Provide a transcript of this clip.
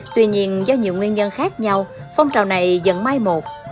tuy nhiên do nhiều nguyên nhân khác nhau phong trào này dẫn mai một